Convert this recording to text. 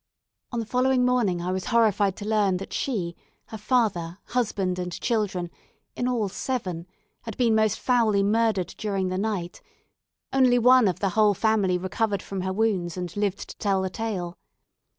On the following morning I was horrified to learn that she, her father, husband, and children in all, seven had been most foully murdered during the night: only one of the whole family recovered from her wounds, and lived to tell the tale.